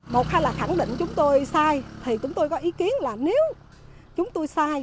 một hay là khẳng định chúng tôi sai thì chúng tôi có ý kiến là nếu chúng tôi sai